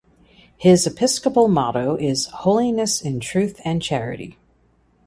His episcopal motto is "Holiness in Truth and Charity".